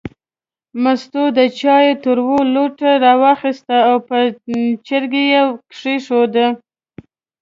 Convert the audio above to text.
مستو د چای توره لوټه راواخیسته او په چرګۍ یې کېښوده.